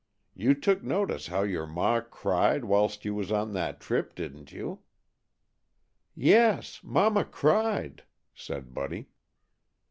You took notice how your ma cried whilst you was on that trip, didn't you?" "Yes, Mama cried," said Buddy.